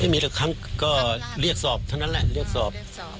ไม่มีสักครั้งก็เรียกสอบเท่านั้นแหละเรียกสอบ